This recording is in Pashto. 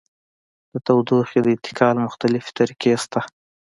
د تودوخې د انتقال مختلفې طریقې شته.